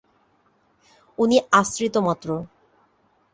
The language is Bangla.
উনি আশ্রিত মাত্র।